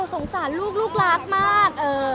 สงสารลูกลูกรักมาก